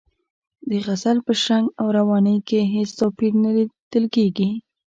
د غزل په شرنګ او روانۍ کې هېڅ توپیر نه لیدل کیږي.